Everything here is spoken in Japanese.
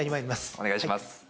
お願いします。